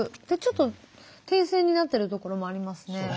ちょっと点線になってるところもありますね。